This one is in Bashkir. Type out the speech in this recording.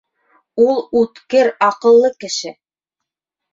Ул үткер аҡыллы кеше